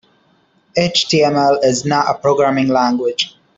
HTML is not a programming language.